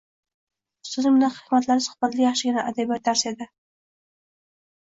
Ustozning bunday hikmatli suhbatlari yaxshigina adabiyot darsi edi